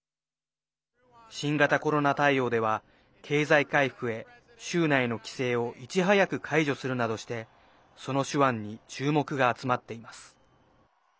新型コロナ対応では経済回復へ州内の規制をいち早く解除するなどしてその手腕に注目が集まっています。